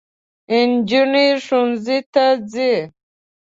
نجوني ښوونځۍ ته ځي